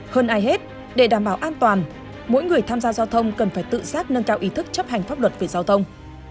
hơn ai hết để đảm bảo an toàn mỗi người tham gia giao thông cần phải tự xác nâng cao ý thức chấp hành pháp luật về giao thông